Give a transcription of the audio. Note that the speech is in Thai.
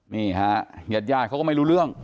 นี่ฮะญาติญาติเขาก็ไม่รู้เรื่อง